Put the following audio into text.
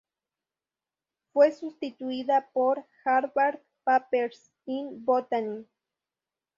Fue sustituida por "Harvard Papers in Botany".